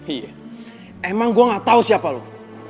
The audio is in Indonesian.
iya emang gue gak tau siapa loh